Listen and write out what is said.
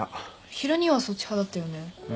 ヒロ兄はそっち派だったよね。